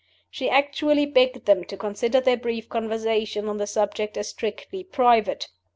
She actually begged them to consider their brief conversation on the subject as strictly private.